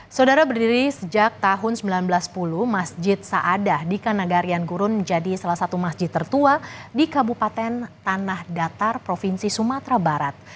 saudara berdiri sejak tahun seribu sembilan ratus sepuluh masjid saadah di kanagarian gurun menjadi salah satu masjid tertua di kabupaten tanah datar provinsi sumatera barat